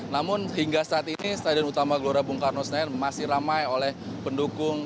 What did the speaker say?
namun hingga saat ini stadion utama gelora bung karno senayan masih ramai oleh pendukung